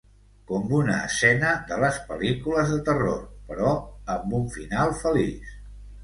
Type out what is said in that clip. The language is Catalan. Com una escena de les pel·lícules de terror, però amb un final feliç.